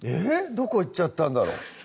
どこ行っちゃったんだろ？